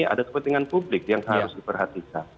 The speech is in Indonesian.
ada kepentingan publik yang harus diperhatikan